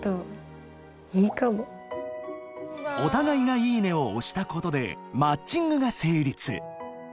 お互いが「いいね！」を押したことでマッチングが成立！